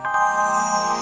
ya udah om baik